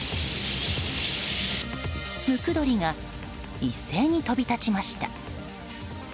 ムクドリが一斉に飛び立ちました。